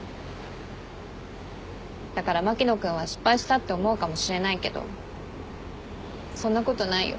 だから牧野君は失敗したって思うかもしれないけどそんなことないよ。